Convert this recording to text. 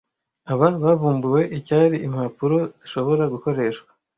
aba bavumbuwe icyari Impapuro zishobora gukoreshwa -